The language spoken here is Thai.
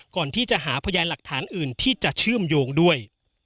ก่อนที่จะหาพยานหลักฐานอื่นที่จะเชื่อมโยงด้วย